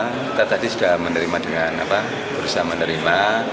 kita tadi sudah menerima dengan berusaha menerima